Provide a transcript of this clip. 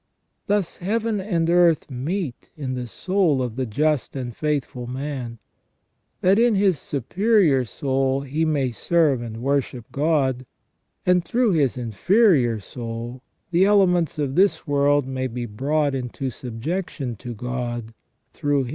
Thus Heaven and earth meet in the soul of the just and faithful man, that in his superior soul he may serve and worship God, and through his in ferior soul the elements of this world may be brought into sub jection to God through him.